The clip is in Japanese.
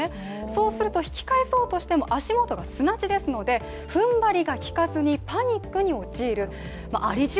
そうすると、引き返そうとしても足元が砂地ですので踏ん張りがきかずにパニックに陥るありじ